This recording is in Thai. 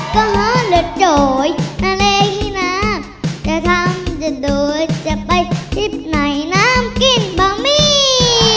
ก็เหาะเหลือโจ๋ยนาเลขี้น้ำจะทำจะดูจะไปชิบไหนน้ำกินบ่าวมี่